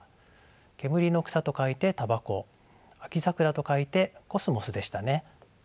煙の草と書いて「タバコ」秋桜と書いて「コスモス」でしたね。